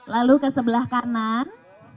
lalu ke sebelah kanan